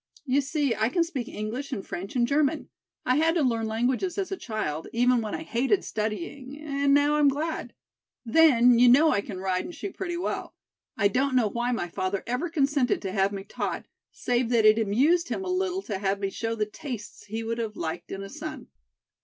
You see I can speak English and French and German. I had to learn languages as a child even when I hated studying and now I'm glad. Then you know I can ride and shoot pretty well. I don't know why my father ever consented to have me taught, save that it amused him a little to have me show the tastes he would have liked in a son."